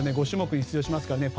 ５種目に出場しますから。